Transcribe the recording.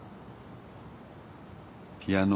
ピアノ。